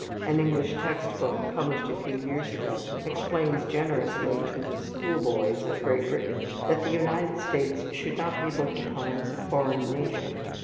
An English text book, published a few years ago, explains generously to the school boys of Great Britain that the United States should not be looked upon as a foreign nation.